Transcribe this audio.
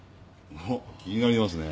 おっ気になりますね。